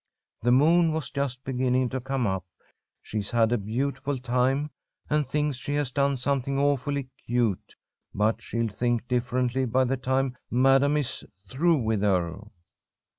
The moon was just beginning to come up. She's had a beautiful time, and thinks she has done something awfully cute, but she'll think differently by the time Madam is through with her."